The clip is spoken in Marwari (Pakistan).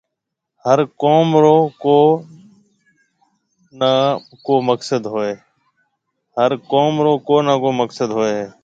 هر ڪوم رو ڪو نا ڪو مقسد هوئي هيَ۔